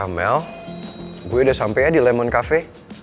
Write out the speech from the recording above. mel gue udah sampe ya di lemon cafe